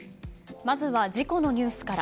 まずは事故のニュースから。